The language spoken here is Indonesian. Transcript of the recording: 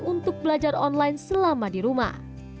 untuk belajar online selama di rumah